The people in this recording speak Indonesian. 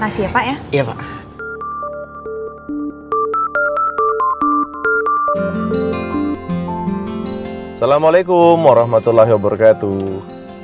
assalamualaikum warahmatullahi wabarakatuh